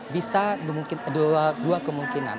bisa memungkinkan dua kemungkinan